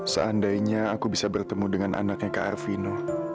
seandainya aku bisa bertemu dengan anaknya kak arvino